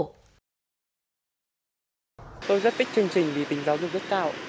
tôi rất thích chương trình vì tính giáo dục rất cao